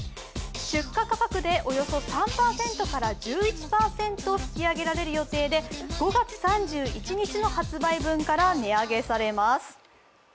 出荷価格でおよそ３％から１１％引き上げられる予定で５月３１日の発売分から値上げされます。